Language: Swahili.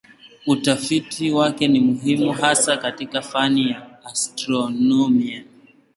Utafiti wake ni muhimu hasa katika fani ya astronomia.